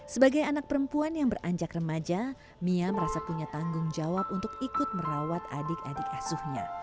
sebagai anak perempuan yang beranjak remaja mia merasa punya tanggung jawab untuk ikut merawat adik adik asuhnya